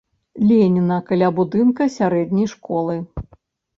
Леніна каля будынка сярэдняй школы.